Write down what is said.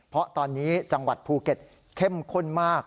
เพราะตอนนี้จังหวัดภูเก็ตเข้มข้นมาก